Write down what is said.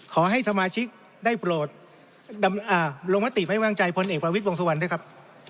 ขอให้สมาชิกได้โปรดลงมติไม่ว่างใจพลเอกประวิทย์วงสุวรรณด้วยครับ